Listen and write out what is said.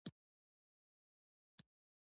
• ملګری ستا نیمګړتیاوې پټې ساتي.